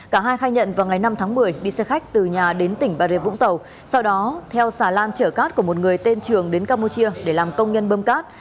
cả hai khai nhận vào ngày năm tháng một mươi đi xe khách từ nhà đến tỉnh bà rịa vũng tàu sau đó theo xà lan chở cát của một người tên trường đến campuchia để làm công nhân bơm cát